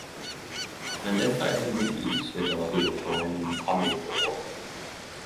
Men dette er middels litteratur frå ein framifrå rockar.